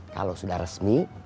kalau sudah resmi